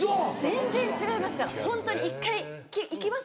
全然違いますからホントに一回。行きます？